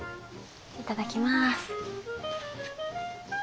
いただきます。